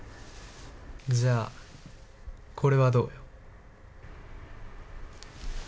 じゃあ、これはどうよ。